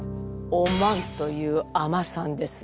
お万という尼さんです。